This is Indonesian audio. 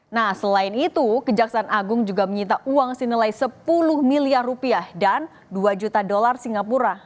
nah selain itu kejaksaan agung juga menyita uang senilai sepuluh miliar rupiah dan dua juta dolar singapura